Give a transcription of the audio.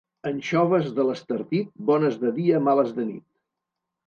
Anxoves de l'Estartit, bones de dia, males de nit.